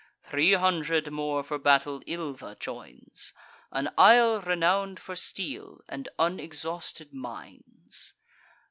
Three hundred more for battle Ilva joins, An isle renown'd for steel, and unexhausted mines.